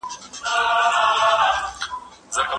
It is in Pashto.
بریالیو ته پرېماني خزانې وې